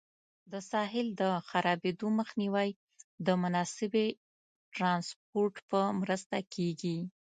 د حاصل د خرابېدو مخنیوی د مناسبې ټرانسپورټ په مرسته کېږي.